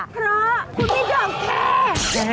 เพราะคุณไม่อยากแคร์